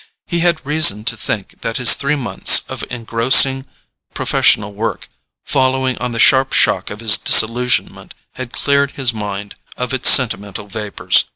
He had reason to think that his three months of engrossing professional work, following on the sharp shock of his disillusionment, had cleared his mind of its sentimental vapours.